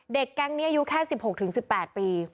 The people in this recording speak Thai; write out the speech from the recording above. แก๊งนี้อายุแค่๑๖๑๘ปี